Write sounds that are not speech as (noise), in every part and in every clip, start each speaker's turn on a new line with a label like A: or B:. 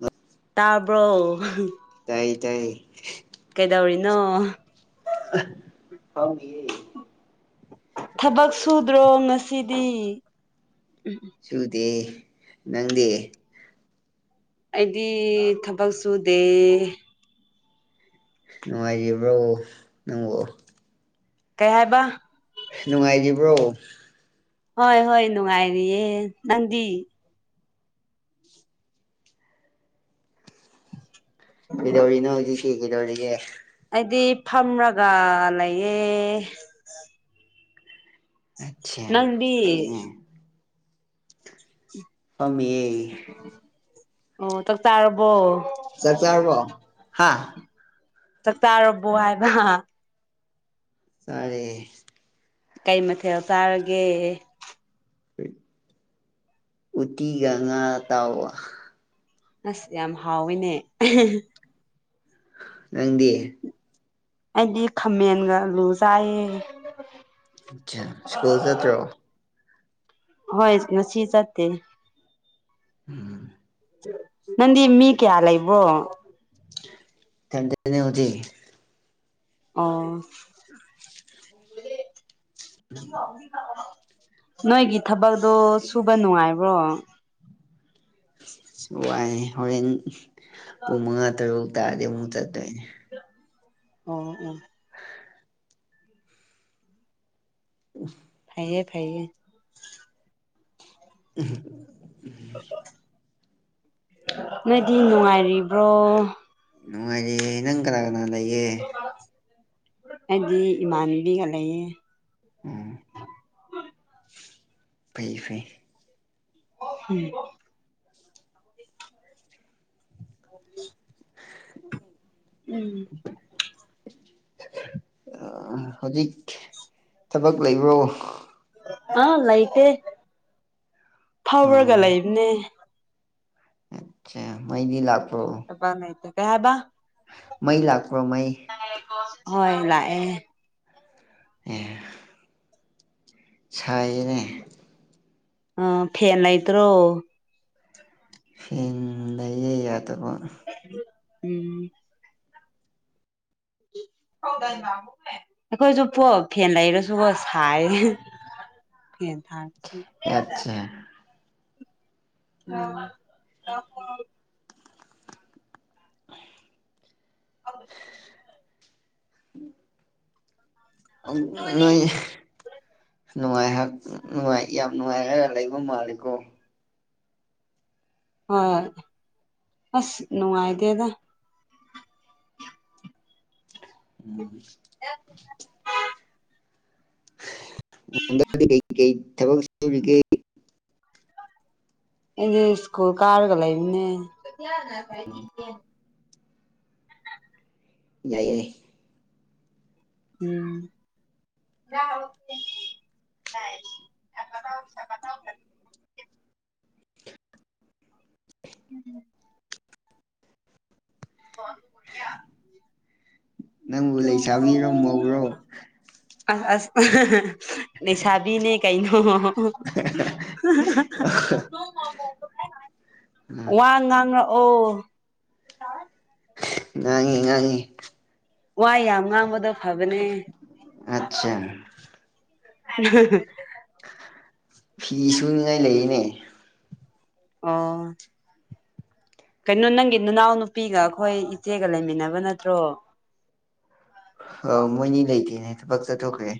A: ꯅꯥꯠ
B: ꯇꯥꯔꯕ꯭ꯔꯣ
A: ꯇꯥꯏꯌꯦ ꯇꯥꯏꯌꯦ
B: ꯀꯩꯗꯧꯔꯤꯅꯣ
A: ꯑꯥ ꯐꯥꯝꯃꯤꯌ‌ꯦ
B: ꯊꯕꯛ ꯁꯨꯗ꯭ꯔꯣ ꯉꯁꯤꯗꯤ ꯎꯝ
A: ꯁꯨꯗꯦ ꯅꯪꯗꯤ
B: ꯑꯩꯗꯤ ꯊꯕꯛ ꯁꯨꯗꯦ
A: ꯅꯨꯡꯉꯥꯏꯔꯤꯕ꯭ꯔꯣ ꯅꯪꯕ‌ꯣ
B: ꯀꯩ ꯍꯥꯏꯕ
A: ꯅꯨꯡꯉꯥꯏꯔꯤꯕ꯭ꯔꯣ
B: ꯍꯣꯏ ꯍꯣꯏ ꯅꯨꯡꯉꯥꯏꯔꯤꯌꯦ ꯅꯪꯗꯤ
A: ꯀꯗꯧꯔꯤꯅꯣ ꯍꯧꯖꯤꯛꯁꯤ ꯀ‌ꯩꯗꯧꯔꯤꯒꯦ
B: ꯑꯩꯗꯤ ꯐꯝꯔꯒ ꯂꯩꯌꯦ
A: ꯑꯆꯥ
B: ꯅꯪꯗꯤ
A: ꯐꯩꯏꯅꯦ ꯐꯝꯃꯤꯌꯦ
B: ꯑꯣ ꯆꯥꯛ ꯆꯥꯔꯕꯣ
A: ꯆꯥꯛ ꯆꯔꯥꯕꯣ ꯍꯥꯥ
B: ꯆꯥꯛ ꯆꯔꯥꯕꯣ ꯍꯥꯏꯕ
A: ꯆꯔꯦ
B: ꯀꯩ ꯃꯊꯦꯜ ꯆꯥꯔꯒꯦ
A: ꯎꯇꯤꯒ ꯉꯥ ꯇꯥꯎꯕꯒ
B: ꯑꯁ ꯌꯥꯝ ꯍꯥꯎꯋꯦꯅꯦ
A: ꯅꯪꯗꯤ
B: ꯑꯩꯗꯤ ꯈꯥꯃꯦꯟꯒ ꯂꯨꯖꯥꯏꯌꯦ
A: ꯑꯆꯥ ꯁ꯭ꯀꯨꯜ ꯆꯠꯇ꯭ꯔꯣ
B: ꯍꯣꯏ ꯉꯁꯤ ꯆꯠꯇ‌ꯦ
A: ꯎꯝ
B: ꯅꯪ ꯃꯤ ꯀꯌꯥ ꯂꯏꯕꯣ
A: ꯑꯦꯇ ꯍꯧꯖꯤ
B: ꯑ ꯅꯣꯏꯒꯤ ꯊꯕꯛꯇꯣ ꯁꯨꯕ ꯅꯨꯡꯉꯥꯏꯕ꯭ꯔꯣ
A: ꯋꯥꯏꯅꯦ ꯍꯣꯔꯦꯟ ꯄꯨꯡ ꯃꯉꯥ ꯇꯔꯨꯛ ꯇꯥꯔꯗꯤ ꯑꯃꯨꯛ ꯆꯠꯇꯣꯏꯅꯦ
B: ꯑꯣ ꯎꯝ
A: ꯎ
B: ꯐꯥꯏꯌꯦ ꯐꯌꯦ
A: ꯎꯝ
B: ꯅꯣꯏꯗꯤ ꯅꯨꯡꯉꯥꯏꯔꯤꯕ꯭ꯔꯣ
A: ꯅꯨꯡꯉꯥꯏꯔꯤꯌꯦ ꯅꯪ ꯀꯅꯥ ꯀꯅꯥ ꯂꯩꯒꯦ
B: ꯑꯩꯗꯤ ꯏꯃꯥꯟꯕꯤꯒ ꯂꯩꯌꯦ
A: ꯎꯝ ꯐꯩ ꯐꯩ
B: ꯍꯝ ꯑꯣꯀꯦ
A: ꯎꯝ
B: ꯎꯝ
A: (inaudible) ꯍꯧꯖꯤꯛ ꯊꯕꯛ ꯂꯩꯕ꯭ꯔꯣ
B: ꯑꯥ ꯂꯩꯇꯦ ꯐꯧꯔꯒ ꯂꯩꯕꯅꯦ
A: ꯑꯆꯥ ꯃꯩꯗꯤ ꯂꯥꯛꯄ꯭ꯔꯣ
B: ꯀꯩ ꯍꯥꯏꯕ
A: ꯃꯩ ꯂꯥꯛꯄ꯭ꯔꯣ ꯃꯩ
B: ꯍꯣꯏ ꯂꯥꯛꯑꯦ
A: ꯑꯦ ꯁꯥꯏꯅꯦ
B: ꯑ ꯐꯦꯟ ꯂꯩꯇ꯭ꯔꯣ
A: ꯍꯦꯡ ꯂꯩꯌꯦ ꯌꯥꯗꯕ
B: ꯎꯝ ꯍꯗꯃ ꯑꯩꯈꯣꯏꯁꯨꯄꯣ ꯐꯦꯟ ꯂꯩꯔꯁꯨꯕꯣ ꯁꯥꯏ ꯐꯦ ꯊꯝꯁꯤ
A: ꯆ
B: ꯑ ꯑ (inaudible) ꯑ (inaudible)
A: ꯎꯝ ꯅꯣꯏ ꯅꯨꯡꯉꯥꯏ ꯍꯥꯏ ꯅꯨꯡꯉꯥꯏ ꯌꯥꯝ ꯅꯨꯡꯉꯥꯏꯔ ꯂꯩꯕ ꯃꯥꯜꯂꯤꯀꯣ
B: ꯍꯣꯏ ꯑꯁ ꯅꯨꯡꯉꯥꯏꯗꯦꯗ
A: ꯎꯝ ꯍꯟꯗꯥꯛꯇꯤ ꯀꯩ ꯀꯩ ꯊꯕꯛ ꯁꯨꯔꯤꯒ‌ꯦ
B: ꯑꯩꯗꯤ ꯏꯁ꯭ꯀꯨꯜ ꯀꯥꯔꯒ ꯂꯩꯕꯅ‌ꯦ
A: ꯌꯥꯏꯌꯦ
B: ꯎꯝ (unintelligible) (unintelligible) (unintelligible)
A: ꯅꯪꯕꯨ ꯂꯩꯁꯥꯕꯤꯔꯣ ꯃꯧꯔꯣ
B: ꯑ ꯑꯁ ꯂꯩꯁꯥꯕꯤꯅꯦ ꯀꯩꯅꯣ (unintelligible)
A: ꯑ (unintelligible)
B: ꯋꯥ ꯉꯥꯡꯉꯥꯛ ꯑꯣ (unintelligible)
A: ꯉꯥꯡꯉꯦ ꯉꯥꯡꯉꯦ
B: ꯋꯥ ꯌꯥꯝ ꯉꯥꯡꯕꯗꫭ ꯐꯕꯅꯦ
A: ꯑꯠꯆꯥ ꯐꯤ ꯁꯨꯅꯤꯉꯥꯏ ꯂꯩꯌꯦꯅꯦ
B: ꯑꯣ ꯀꯩꯅꯣ ꯅꯪꯒꯤ ꯅꯅꯥꯎꯅꯨꯄꯤꯒ ꯑꯩꯈꯣꯏ ꯏꯆꯦꯒ ꯂꯩꯃꯤꯟꯅꯕ ꯅꯠꯇ꯭ꯔꯣ
A: ꯑ ꯃꯣꯏꯅꯤ ꯂꯩꯇꯦꯅꯦ ꯊꯕꯛ ꯆꯠꯊꯣꯛꯈ꯭ꯔꯦ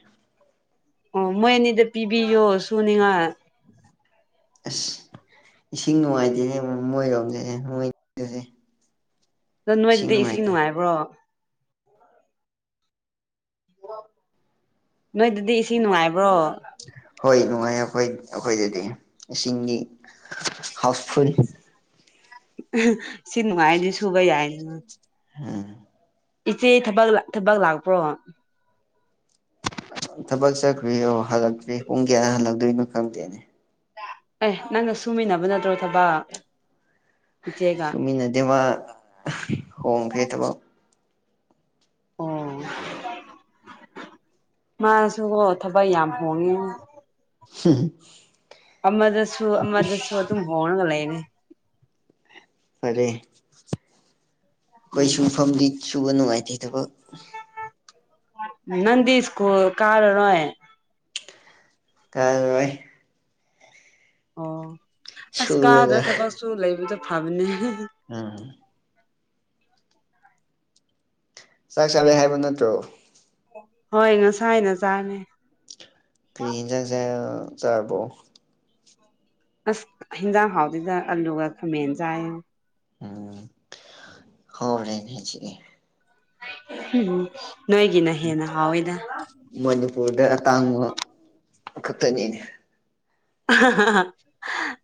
B: ꯑꯣ ꯃꯣꯏ ꯑꯅꯤꯗ ꯄꯤꯕꯤꯌꯣ ꯁꯨꯅꯤꯉꯥꯏ
A: ꯑꯁ ꯏꯁꯤꯡ ꯅꯨꯡꯉꯥꯏꯇꯦꯅꯦ ꯃꯣꯏꯔꯣꯝꯁꯦ ꯃꯣꯏꯁꯦ
B: ꯑꯗꯣ ꯅꯣꯏꯗꯗꯤ ꯏꯁꯤꯡ ꯅꯨꯡꯉꯥꯏꯕ꯭ꯔꯣ ꯅꯣꯏꯗꯗꯤ ꯏꯁꯤꯡ ꯅꯨꯡꯉꯥꯏꯕ꯭ꯔꯣ
A: ꯍꯣꯏ ꯅꯨꯡꯉꯥꯏ ꯑꯩꯈꯣꯏ ꯑꯩꯈꯣꯏꯗꯗꯤ ꯏꯁꯤꯡꯒꯤ ꯍꯥꯎꯁꯐꯨꯜ
B: ꯁꯤ ꯅꯨꯡꯉꯥꯏꯔꯗꯤ ꯁꯨꯨꯕ ꯌꯥꯏꯅ
A: ꯍꯥ (unintelligible)
B: ꯏꯆꯦ ꯊꯕꯛ ꯊꯕꯛ ꯂꯥꯛꯄ꯭ꯔꯣ
A: ꯊꯕꯛ ꯆꯠꯈ꯭ꯔꯤ ꯑꯣ ꯍꯜꯂꯛꯇ꯭ꯔꯤ ꯄꯨꯡ ꯀꯌꯥꯗ ꯍꯜꯂꯛꯇꯣꯏꯅꯣ ꯈꯪꯗꯦꯅꯦ
B: ꯑꯦ ꯅꯪꯒ ꯁꯨꯃꯤꯟꯅꯕ ꯅꯠꯇ꯭ꯔꯣ ꯊꯕꯛ ꯏꯆꯦꯒ
A: ꯁꯨꯃꯤꯟꯅꯗꯦ ꯃꯥ ꯍꯣꯡꯈ꯭ꯔꯦ ꯊꯕꯛ
B: ꯑꯣ ꯃꯥꯁꯨꯀꫭ ꯊꯕꯛ ꯌꯥꯝ ꯍꯣꯡꯉꯦ ꯃꯥ
A: (unintelligible)
B: ꯑꯃꯗꯁꯨ ꯑꯃꯗꯁꯨ ꯑꯗꯨꯝ ꯍꫭꯡꯉꯒ ꯂꯩꯕꯅꯦ
A: ꯐ꯭ꯔꯦ ꯑꯩꯈꯣꯏ
B: ꯎꯝ
A: ꯁꯨꯡꯐꯝꯗꯤ ꯁꯨꯕ ꯅꯨꯡꯉꯥꯏꯇꯦ ꯊꯕꯛ
B: ꯅꯪꯗꯤ ꯏꯁ꯭ꯀꯨꯥꯜ ꯀꯥꯔꯔꯣ
A: ꯀꯥꯔꯔꫭꯏ
B: ꯑꯣ ꯑꯁ
A: ꯁꯨꯔꯒ
B: ꯀꯥꯗ꯭ꯔ ꯊꯕꯛꯁꯨ ꯂꯩꯕꯗꫭ ꯐꯕꯅꯦ
A: ꯎꯝ ꯆꯥꯛ ꯆꯥꯂꯦ ꯍꯥꯏꯕ ꯅꯠꯇ꯭ꯔꯣ
B: ꯍꯣꯏ ꯉꯁꯥꯏꯅ ꯆꯥꯅꯦ
A: ꯀꯩ ꯌꯦꯟꯖꯥꯡ ꯆꯥꯏ ꯆꯥꯔꯕꯣ
B: ꯑꯁ ꯍꯤꯟꯖꯥꯡ ꯍꯥꯎꯇꯦꯗ ꯑꯜꯂꯨꯒ ꯈꯥꯃꯦꯟ ꯆꯥꯏꯌꯦ
A: ꯎꯝ ꯍꯥꯎꯔꯦꯅꯤꯁꯤꯑꯦ
B: ꯎꯝ ꯅꯣꯏꯒꯤꯅ ꯍꯦꯟꯅ ꯍꯥꯎꯋꯤꯗ
A: ꯃꯅꯤꯄꯨꯔꯗ ꯑꯇꯥꯡꯕ ꯈꯛꯇꯅꯤꯅꯦ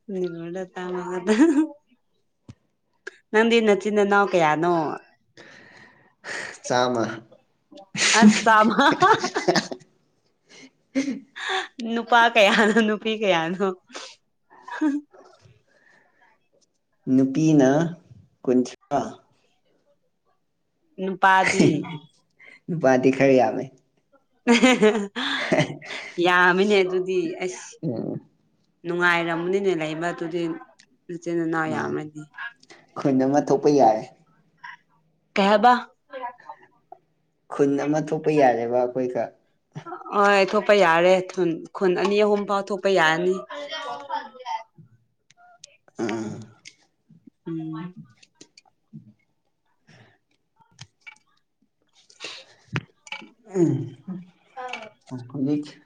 B: ꯃꯅꯤꯄꯨꯔꯗ ꯑꯇꯥꯡꯕ ꯈꯥꯠꯇꯪ ꯅꯪꯗꯤ ꯅꯆꯤꯟ ꯏꯅꯥꯎ ꯀꯌꯥꯅꯣ
A: ꯆꯥꯝꯃ
B: ꯑꯁꯃ ꯅꯨꯄꯥ ꯀꯌꯥꯅꯣ ꯅꯨꯄꯤ ꯀꯌꯥꯅꯣ
A: ꯅꯨꯄꯤꯅ ꯀꯨꯟꯊ꯭ꯔꯥ
B: ꯅꯨꯄꯥꯗꯤ
A: ꯅꯨꯄꯥꯗꯤ ꯈꯔ ꯌꯥꯝꯃꯦ
B: ꯎ
A: (inaudible)
B: ꯌꯥꯝꯃꯤꯅꯦ ꯑꯗꯨꯗꯤ ꯑꯁ
A: ꯑꯣ
B: ꯅꯨꯡꯉꯥꯏꯔꯝꯃꯅꯤꯅꯦ ꯂꯩꯕ ꯑꯗꯨꯗꯤ ꯏꯆꯤꯟ ꯏꯅꯥꯎ ꯌꯥꯝꯃꯅꯤ
A: ꯈꯨꯣꯏꯟꯅ ꯑꯃ ꯊꯣꯛꯄ ꯌꯥꯔꯦ
B: ꯀꯍꯕꯥ
A: ꯈꯨꯟ ꯑꯃ ꯊꯣꯛꯄ ꯌꯥꯔꯦꯕ ꯑꯩꯈꯣꯏꯒ
B: ꯍꯣꯏ ꯊꯣꯛꯄ ꯌꯥꯔꯦ ꯈꯨꯟ ꯑꯅꯤ ꯑꯍꯨꯝ ꯐꯥꯎ ꯊꯣꯛꯄ ꯌꯥꯔꯅꯤ
A: (unintelligible) ꯎꯝ
B: ꯎꯝ
A: (unintelligible)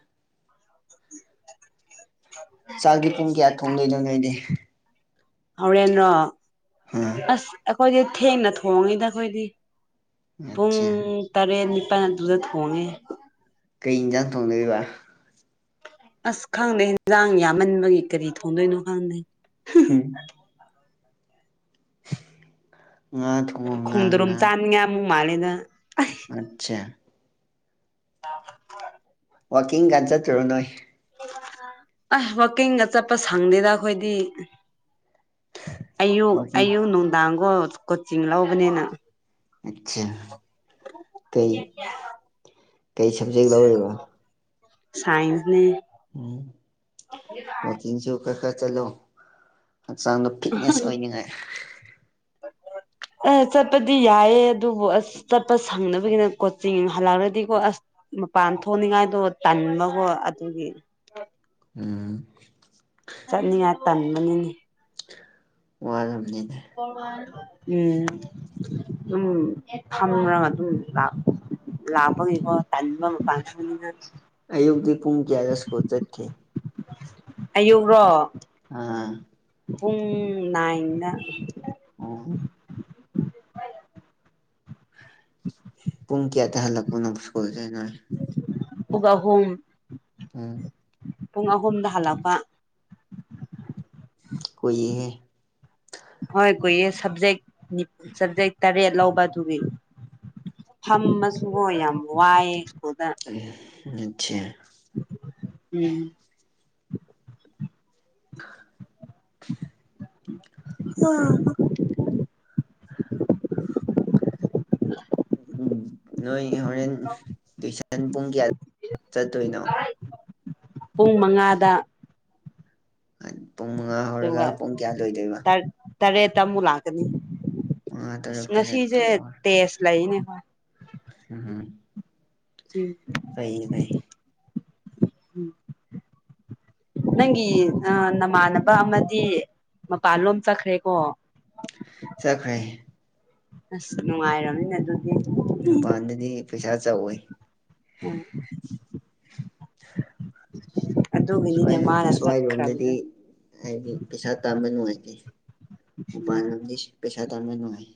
A: ꯆꯥꯛꯗꯤ ꯄꯨꯡ ꯀꯌꯥ ꯊꯣꯡꯅꯩꯗꯪ ꯂꯩꯩꯗꯦ
B: ꯍꯥꯎꯔꯦꯟꯅ꯭ꯔꯣ
A: ꯍꯥꯝ
B: ꯑꯁ ꯑꯩꯈꯣꯏꯗꯤ ꯊꯦꯡꯅ ꯊꯣꯡꯉꯤꯗ ꯑꯩꯈꯣꯏꯗꯤ ꯄꯨꯡ
A: ꯑꯠꯆꯥ
B: ꯇꯔꯦꯠ ꯅꯤꯄꯥꯜ ꯑꯗꯨꯗ ꯊꯣꯡꯉꯦ
A: ꯀꯩ ꯏꯟꯖꯥꯡ ꯊꯣꯡꯅꯔꯤꯕ
B: ꯑꯁ ꯈꯪꯗꯦ ꯍꯟꯖꯥꯡ ꯌꯥꯝꯃꯟꯕꯒꯤ ꯀꯔꯤ ꯊꯣꯡꯗꯣꯏꯅꯣ ꯈꯪꯗꯦ
A: ꯍꯝ (unintelligible) ꯊꯣꯡꯉꯣ ꯉꯥ
B: ꯈꯣꯡꯗꯔꯨꯝ ꯆꯥꯅꯤꯡꯉ ꯑꯃꯨꯛ ꯃꯥꯜꯂꯦꯅ
A: ꯑꯆꯥ
B: ꯑ
A: ꯋꯥꯀꯤꯡ ꯀꯥꯟꯖ ꯊꯔꯣ ꯅꯣꯏ
B: ꯑꯁ ꯋꯥꯛꯀꯤꯡꯒ ꯆꯠꯄ ꯁꯪꯗꯦꯗ ꯑꯩꯈꯣꯏꯗꯤ ꯑꯌꯨꯛ
A: ꯋꯥꯛꯀꯤꯡ
B: ꯑꯌꯨꯛ ꯅꯨꯡꯗꯥꯡꯒꯣ ꯀꯣꯆꯤꯡ ꯂꯧꯕꯅꯤꯅ
A: ꯑꯠꯆꯥ ꯀꯩ ꯀꯩ ꯁꯕꯖꯦꯛ ꯂꯧꯔꯤꯕ
B: ꯁꯥꯏꯟꯁꯅꯦ
A: ꯎꯝ ꯑꯣ ꯇꯤꯟꯁꯨꯣ ꯀ ꯀ ꯆꯂꯣ ꯆꯥꯡ ꯐꯤꯠꯅꯦꯁ ꯑꯣꯏꯅꯤꯡꯉꯥꯏ
B: ꯑ ꯆꯠꯄꯗꯤ ꯌꯥꯏꯑ ꯑꯗꯨꯕꯨ ꯑꯁ ꯆꯠꯄ ꯁꯪꯅꯕꯒꯤꯅ ꯀꯣꯆꯤꯡ ꯍꯜꯂꯛꯂꯗꯤꯀꯣ ꯑꯁ ꯃꯄꯥꯟ ꯊꯣꯛꯅꯤꯡꯉꯥꯏꯗꯣ ꯇꯟꯃꯒꯣ ꯑꯗꯨꯒꯤ
A: ꯎꯝ
B: ꯆꯠꯅꯤꯡꯉꯥꯏ ꯇꯟꯕꯅꯤꯅꯤ
A: ꯋꯥꯖꯕꯅꯤꯅꯦ
B: ꯎꯝ ꯑꯗꯨꯝ ꯊꯝꯔꯒ ꯑꯗꯨꯝ ꯂꯥꯛꯄ ꯂꯥꯕ ꯇꯥꯡ
A: ꯑꯌꯨꯛꯇꯤ ꯄꯨꯡ ꯀꯌꯥꯗꯁꯀꯣ ꯆꯠꯈꯤꯦ
B: ꯑꯌꯨꯛ ꯔꯣ
A: ꯑꯥ
B: ꯄꯨꯡ ꯅꯥꯏꯅ
A: ꯑꯣ ꯄꯨꯡ ꯀꯌꯥ ꯇ ꯍꯜꯂꯛꯄꯅ ꯄꯨꯁꯀꯨꯜꯁꯦ ꯅ
B: ꯄꯛ ꯑꯍꯨꯝ
A: ꯎꯝ
B: ꯄꯨꯡ ꯑꯍꯨꯝꯗ ꯍꯜꯂꯛꯄ
A: ꯑꯩꯣꯏꯍꯦ
B: ꯍꯣꯏ ꯀꯨꯏꯌꯦꯦ ꯁꯕꯖꯦꯛ ꯁꯕꯖꯦꯛ ꯇꯔꯦꯠ ꯂꯧꯕ ꯑꯗꯨ ꯑꯗꯨꯒꯤ ꯐꯝꯃꯁꯨꯕꯣ ꯌꯥꯝ ꯋꯥꯏꯑ ꯁ꯭ꯀꯨꯗ
A: ꯎ ꯑꯆꯥꯦ
B: ꯎꯝ ꯑꯥ
A: ꯎꯝ ꯅꯣꯏ ꯍꯣꯔꯦꯟ ꯇꯨꯏꯁꯟ ꯄꯨꯡ ꯀꯌꯥ ꯆꯠꯇꯣꯏꯅꯣ
B: ꯄꯨꯡ ꯃꯉꯥꯗ
A: ꯄꯨꯡ ꯃꯉꯥ ꯍꯧꯔꯒ
B: ꯑꯗꯨꯒ
A: ꯄꯨꯡ ꯀꯌꯥ ꯂꯣꯏꯗꯣꯏꯕ
B: ꯇꯔꯦꯠꯇ ꯑꯃꯨꯛ ꯂꯥꯛꯀꯅꯤ
A: ꯃꯉꯥ
B: ꯑꯁ
A: ꯇꯔꯨꯛ ꯇꯔꯦꯠ
B: ꯉꯁꯤꯁꯦ
A: ꯇꯣꯛꯑꯣ
B: ꯇꯦꯖ ꯂꯩꯅꯦ
A: ꯎꯝ
B: ꯁꯤ
A: (unintelligible)
B: ꯎꯝ ꯅꯪꯒꯤ ꯅꯃꯥꯟꯅꯕ ꯑꯃꯗꯤ ꯃꯄꯥꯟꯂꯣꯝ ꯆꯠꯈ꯭ꯔꯦꯀꯣ
A: ꯆꯠꯈ꯭ꯔꯦ
B: ꯑꯁ ꯅꯨꯡꯉꯥꯏꯔꯅꯤꯅ ꯑꯗꯨ
A: ꯃꯄꯥꯟꯗꯗꯤ ꯄꯩꯁꯥ ꯆꯥꯎꯋꯏ
B: ꯎꯝ (inaudible)
A: ꯁ꯭ꯋꯥꯏ
B: ꯃꯥꯅ
A: ꯁ꯭ꯋꯥꯏꯔꯣꯝꯗꯗꯤ
B: ꯆꯠꯈ꯭ꯔꯕꯗꯣ
A: ꯍꯥꯏꯗꯤ ꯄꯩꯁꯥ ꯇꯥꯟꯕ ꯅꯨꯡꯉꯥꯏꯇꯦ ꯃꯄꯥꯟ
B: ꯎꯝ
A: ꯂꯝꯗꯤ ꯄꯩꯁꯥ ꯇꯥꯟꯕ ꯅꯨꯡꯉꯥꯏ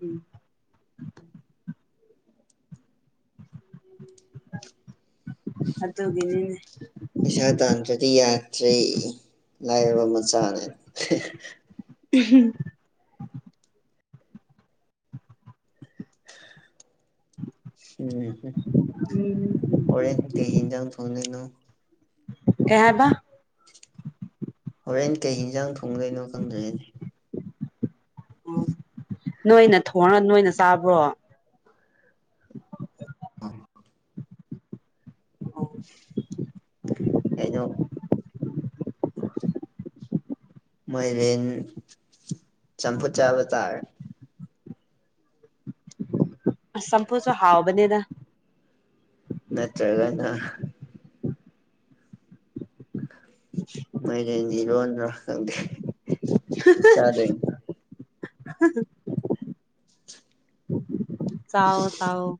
B: ꯎꯝ ꯑꯗꯨꯒꯤꯅꯤꯅꯦ
A: ꯄꯩꯁꯥ ꯇꯥꯟꯗ꯭ꯔꯗꯤ ꯌꯥꯗ꯭ꯔꯦ ꯂꯥꯏꯔꯕ ꯃꯆꯥꯅꯦ
B: ꯎꯝꯍꯝ
A: ꯎꯝ
B: ꯎꯝ
A: ꯍꯣꯔꯦꯟ ꯀꯩ ꯍꯤꯡꯖꯥꯡ ꯊꯣꯟꯗꯣꯏꯅꯣ
B: ꯀꯩ ꯍꯥꯏꯕ
A: ꯍꯣꯔꯦꯟ ꯀꯩ ꯍꯤꯟꯖꯥꯡ ꯊꯣꯡꯗꯣꯏꯅꯣ ꯈꯪꯗ꯭ꯔꯤꯅꯦ
B: ꯅꯣꯏꯅ ꯊꯣꯡꯔ ꯅꯣꯏꯅ ꯆꯥꯕ꯭ꯔꯣ
A: ꯀꯩꯅꯣ ꯑ (inaudible) ꯃꯥꯏꯔꯦꯟ ꯆꯝꯐꯨꯠ ꯆꯥꯕ ꯇꯥꯔꯦ
B: ꯑꯁ ꯆꯝꯐꯨꯠꯁꯨ ꯍꯥꯎꯕꯅꯦꯗ
A: ꯅꯠꯇ꯭ꯔꯒꯅ
B: (inaudible)
A: ꯃꯥꯏꯔꯦꯟ ꯏꯔꯣꯟꯗ꯭ꯔ ꯅꯪꯗꯤ
B: ꯍꯥꯍꯥ ꯆꯥꯑꯣ ꯆꯥꯑꯣ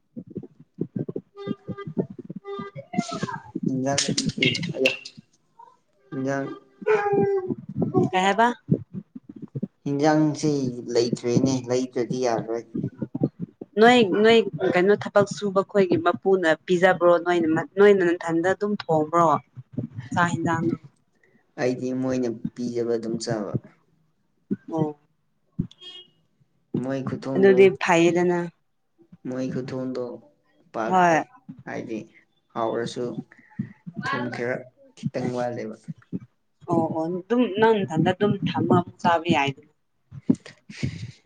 B: ꯎ (inaudible)
A: (inaudible) ꯏꯟꯖꯥꯡ
B: ꯀꯩ ꯍꯥꯏꯕ
A: ꯏꯟꯁꯥꯡꯁꯤ ꯂꯩꯇ꯭ꯔꯦꯅꯦ ꯂꯩꯗ꯭ꯔꯗꯤ ꯌꯥꯔꯣꯏ
B: ꯅꯣꯏ ꯅꯣꯏ ꯀꯩꯅꯣ ꯊꯕꯛ ꯁꯨꯕ ꯈꯣꯏꯒꯤ ꯃꯄꯨꯅ ꯄꯤꯖꯕ꯭ꯔꯣ ꯅꯣꯏꯅ ꯅꯣꯏꯅ ꯅꯊꯟꯗ ꯑꯗꯨꯝ ꯊꯣꯡꯕ꯭ꯔꯣ ꯆꯥꯛ ꯍꯦꯟꯖꯥꯡꯗꯣ
A: ꯑꯩꯗꯤ ꯃꯣꯏꯅ ꯄꯤꯖꯕ ꯑꯗꯨꯝ ꯆꯥꯕ
B: ꯑꯣ
A: ꯃꯣꯏꯈꯨꯠ
B: ꯑꯗꯨꯗꯤ ꯐꯩꯌꯦꯗꯅ
A: ꯃꯣꯏ ꯈꯨꯊꯣꯡꯗꯣ ꯄꯥꯛ
B: ꯍꯣꯏ
A: ꯍꯥꯏꯗꯤ ꯍꯥꯎꯔꯁꯨ ꯊꯨꯝ ꯈꯦꯔ ꯈꯤꯇꯪ ꯋꯥꯠꯂꯦꯕ
B: ꯑꯣ ꯑꯣ ꯑꯗꯨꯝ ꯅꯪ ꯅꯗ ꯑꯗꯨꯝ ꯊꯙꯃ ꯆꯕꯤ ꯍꯥꯏ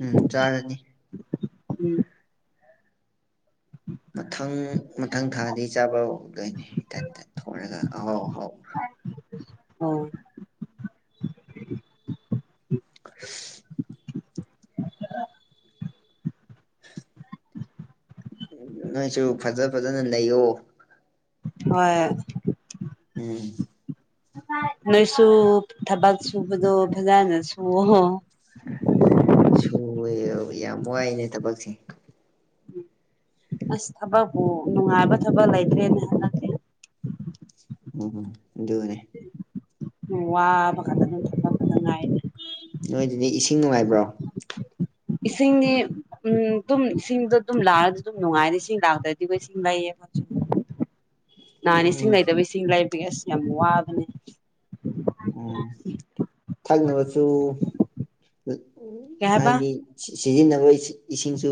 A: ꯎꯝ ꯆꯥꯔꯅꯤ
B: ꯎꯝ
A: ꯃꯊꯪ ꯃꯊꯪ ꯊꯥꯗꯤ ꯆꯥꯕ ꯍꯧꯗꯣꯏꯅꯦ ꯏꯇꯟꯇ ꯊꯂꯒ ꯑꯍꯥꯎ ꯑꯍꯥꯎ
B: ꯍ (inaudible)
A: ꯅꯣꯏꯁꯨ ꯐꯖ ꯐꯖꯅ ꯂꯩꯌꯣ
B: ꯍꯣꯏ
A: ꯎꯝ
B: ꯅꯣꯏꯁꯨ ꯊꯕꯛ ꯁꯨꯕꯗꯣ ꯐꯖꯅ ꯁꯨ
A: ꯁꯨꯑꯦ ꯌꯥꯝ ꯋꯥꯏꯅꯦ ꯊꯕꯛꯁꯦ
B: ꯑꯁ ꯊꯕꯛꯄꯨ ꯅꯨꯡꯉꯥꯏꯕ ꯊꯕꯛ ꯂꯩꯇ꯭ꯔꯦꯅ ꯍꯟꯂꯛ
A: ꯎꯝ ꯑꯗꯨꯗꯨꯒꯅꯦ
B: ꯋꯥ ꯃꯈꯥꯗ ꯑꯗꯨꯝ ꯊꯝꯅꯕ ꯐꯗꯉꯥꯏꯅꯤ
A: ꯅꯣꯏꯗꯨꯅꯦ ꯏꯁꯤꯡ ꯅꯨꯡꯉꯥꯏꯕ꯭ꯔꯣ
B: ꯏꯁꯤꯡꯒꯤꯅꯤ ꯎꯝ ꯑꯗꯨꯝ ꯏꯁꯤꯡꯗꯣ ꯑꯗꯨꯝ ꯂꯥꯛꯑꯗꯤ ꯑꯗꯨꯝ ꯅꯨꯡꯉꯥꯏꯔꯦ ꯁꯤꯡ ꯂꯥꯛꯗ꯭ꯔꯗꯤ ꯑꯩꯣꯏ ꯁꯤꯡ ꯂꯩꯌꯦ ꯃ
A: (inaudible)
B: ꯅꯍꯥꯟꯅꯤ
A: ꯎꯝ
B: ꯏꯁꯤꯡ ꯂꯩꯇꯕ ꯏꯁꯤꯡ ꯂꯩꯕꯒꯤ ꯑꯁ ꯌꯥꯝ ꯋꯥꯕꯅꯦ
A: ꯎꯝ ꯊꯛꯅꯕꯁꯨ
B: ꯀꯩ ꯍꯥꯏꯕ
A: ꯍꯥꯏꯗꯤ ꯁꯤꯖꯤꯟꯅꯕ ꯏꯁꯤꯡꯁꯨ